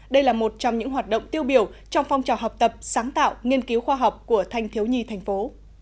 đây là một trong những hoạt động tiêu biểu trong phong trào học tập sáng tạo nghiên cứu khoa học của thanh thiếu nhi thành phố